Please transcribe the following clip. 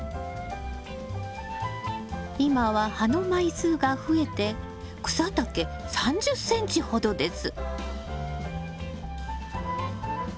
今は葉の枚数が増えて草丈３０ｃｍほどです。